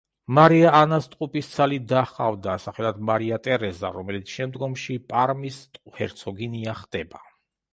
მარია ანას ტყუპისცალი და ჰყავდა, სახელად მარია ტერეზა, რომელიც შემდგომში პარმის ჰერცოგინია ხდება.